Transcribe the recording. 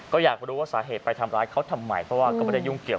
ก็อยากรู้ว่าสาเหตุไปทำร้ายเขาทำไมเพราะว่าก็ไม่ได้ยุ่งเกี่ยว